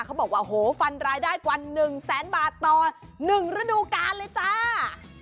เขาบอกว่าโอ้โหฟันรายได้กว่า๑แสนบาทต่อ๑ฤดูกาลเลยจ้า